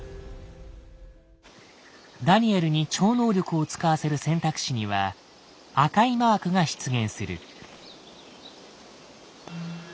ダニエルに超能力を使わせる選択肢には赤いマークが出現する。